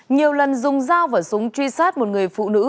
nhiều lần dùng dao và súng truy sát một người phụ nữ